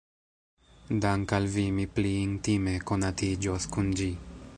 Dank' al vi mi pli intime konatiĝos kun ĝi.